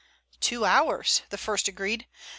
"Two hours," the first agreed.